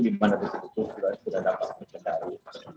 dimana disitu sudah dapat mengendali